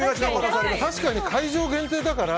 確かに会場限定だから。